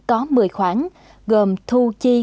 có một mươi khoản gồm thu chi